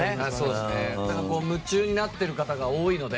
夢中になってる方が多いので。